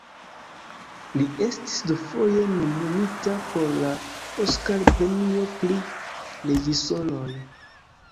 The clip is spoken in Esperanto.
Li estis dufoje nomumita por la Oskar-premio pri reĝisoroj.